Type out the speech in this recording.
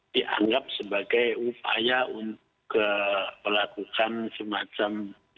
dianggap sebagai upaya untuk melakukan semacam